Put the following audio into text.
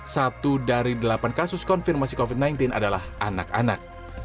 satu dari delapan kasus konfirmasi covid sembilan belas adalah anak anak